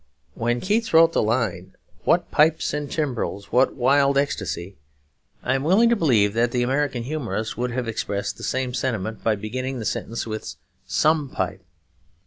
When Keats wrote the line, 'What pipes and timbrels, what wild ecstasy!' I am willing to believe that the American humorist would have expressed the same sentiment by beginning the sentence with 'Some pipe!'